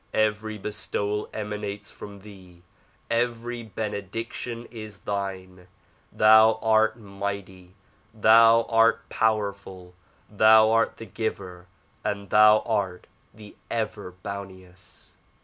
Every bestowal emanates from thee; every benediction is thine. Thou art mighty! Thou art powerful! Thou art the giver and thou art the ever bounteous!